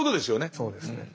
そうですね。